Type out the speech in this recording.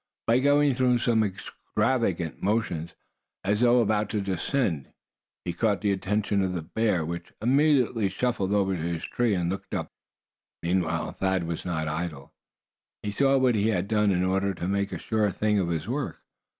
By going through some extravagant motions, as though about to descend, he caught the attention of the bear, which immediately shuffled over to his tree, and looked up expectantly. Meanwhile Thad was not idle. He saw what he had to do in order to make a sure thing of his work.